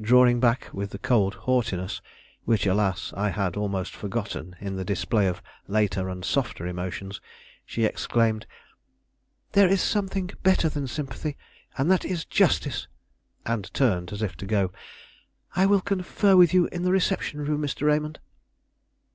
Drawing back with the cold haughtiness which, alas, I had almost forgotten in the display of later and softer emotions, she exclaimed: "There is something better than sympathy, and that is justice"; and turned, as if to go. "I will confer with you in the reception room, Mr. Raymond."